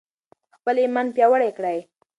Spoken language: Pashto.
خپل ایمان پیاوړی کړئ.